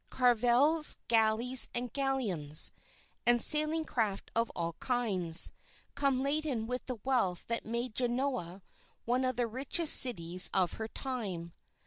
Caravels, galleys, and galleons, and sailing craft of all kinds, came laden with the wealth that made Genoa one of the richest cities of her time.